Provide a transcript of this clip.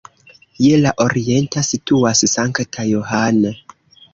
Je la orienta situas Sankta Johann.